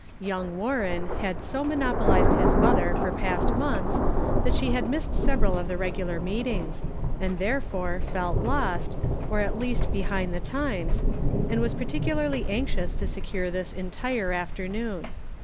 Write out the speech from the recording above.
Young Warren had so monopolized his mother for past months that she had missed several of the regular meetings, and therefore felt lost, or at least behind the times, and was particularly anxious to secure this entire after noon.